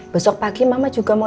besok pagi mama juga mau